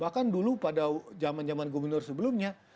bahkan dulu pada zaman zaman gubernur sebelumnya